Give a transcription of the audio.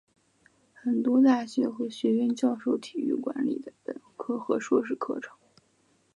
很多大学和学院教授体育管理的本科和硕士课程。